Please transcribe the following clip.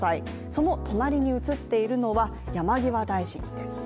その隣に写っているのは、山際大臣です。